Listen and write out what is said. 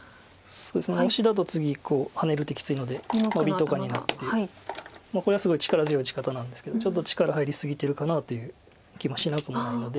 オシだと次ハネる手きついのでノビとかになってこれはすごい力強い打ち方なんですけどちょっと力入り過ぎてるかなという気もしなくもないので。